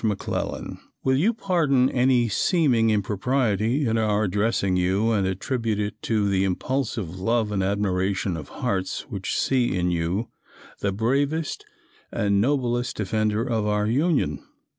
McClellan: "Will you pardon any seeming impropriety in our addressing you, and attribute it to the impulsive love and admiration of hearts which see in you, the bravest and noblest defender of our Union.